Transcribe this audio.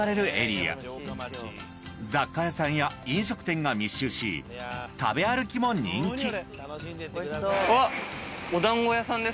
雑貨屋さんや飲食店が密集し食べ歩きも人気どうぞ。